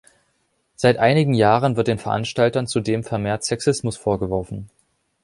Seit einigen Jahren wird den Veranstaltern zudem vermehrt Sexismus vorgeworfen.